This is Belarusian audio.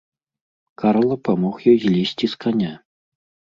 Карла памог ёй злезці з каня.